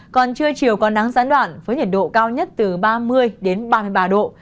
còn trưa chiều có nắng gián đoạn với nhiệt độ cao nhất từ ba mươi đến ba mươi ba độ